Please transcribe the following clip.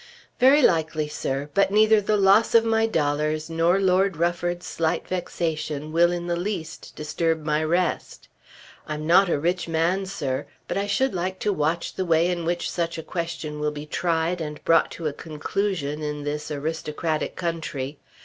"Very likely, sir. But neither the loss of my dollars, nor Lord Rufford's slight vexation will in the least disturb my rest. I'm not a rich man, sir, but I should like to watch the way in which such a question will be tried and brought to a conclusion in this aristocratic country.